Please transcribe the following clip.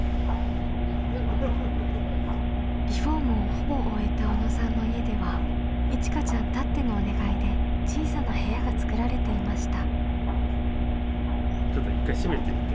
リフォームをほぼ終えた小野さんの家ではいちかちゃんたってのお願いで小さな部屋が作られていました。